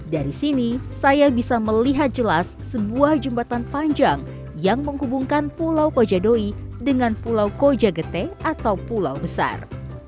dari sini saya bisa melihat jelas sebuah jembatan panjang yang menghubungkan pulau kojadoi dengan pulau kojagete atau pulau besar